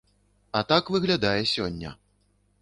А так выглядае сёння.